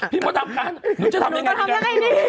พี่มดรรมคะหนูจะทำอย่างไรดี